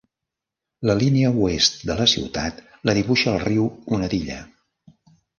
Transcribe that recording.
La línia oest de la ciutat la dibuixa el riu Unadilla.